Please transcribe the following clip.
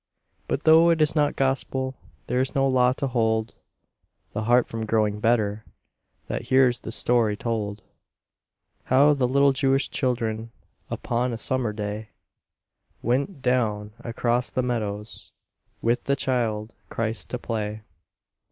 But though it is not Gospel, There is no law to hold The heart from growing better That hears the story told: How the little Jewish children Upon a summer day, Went down across the meadows With the Child Christ to play.